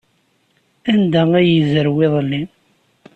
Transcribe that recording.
Anda ay yezrew iḍelli?